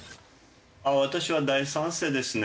私は大賛成ですね。